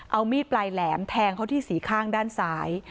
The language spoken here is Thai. เอามีดปลายแหลมแทงเขาที่สีข้างด้านซ้าย